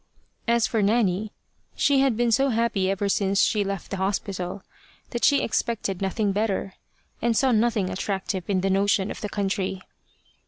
As for Nanny, she had been so happy ever since she left the hospital, that she expected nothing better, and saw nothing attractive in the notion of the country.